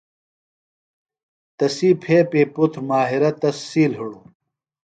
تسی پھیپی پُتر ماہرہ تس سِیل ہِڑوۡ۔